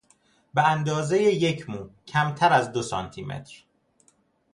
به اندازهی یک مو کمتر از دو سانتیمتر